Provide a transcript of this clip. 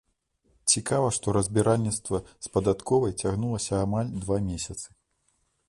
Цікава, што разбіральніцтва з падатковай цягнулася амаль два месяцы.